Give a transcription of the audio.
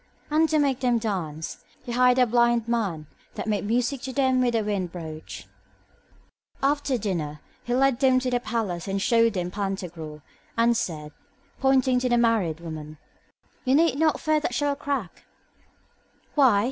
And, to make them dance, he hired a blind man that made music to them with a wind broach. After dinner he led them to the palace and showed them to Pantagruel, and said, pointing to the married woman, You need not fear that she will crack. Why?